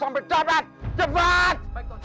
aku bunuhmu dulu